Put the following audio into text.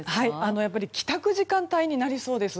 やはり帰宅時間帯になりそうです。